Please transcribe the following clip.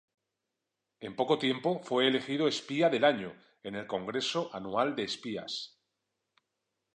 En poco tiempo, fue elegido "Espía del Año" en el Congreso Anual de Espías.